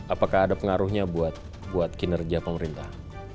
apakah ada pengaruhnya buat kinerja pemerintah